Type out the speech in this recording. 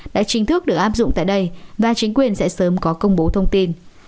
đã chính thức được áp dụng tại đây và chính quyền sẽ sớm có công bố thông tin